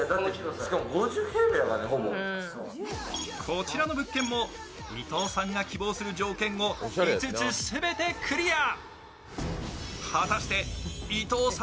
こちらの物件も伊藤さんが希望する条件を５つ全てクリア。